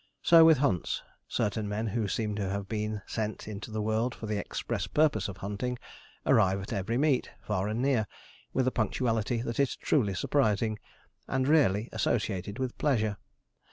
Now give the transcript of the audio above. So with hunts. Certain men who seem to have been sent into the world for the express purpose of hunting, arrive at every meet, far and near, with a punctuality that is truly surprising, and rarely associated with pleasure.